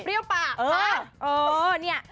เรียวปากเออนี่